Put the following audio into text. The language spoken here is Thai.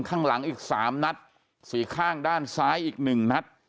ข้างหลังอีกสามนัดสี่ข้างด้านซ้ายอีกหนึ่งนัด